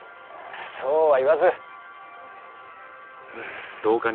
そうは言わず。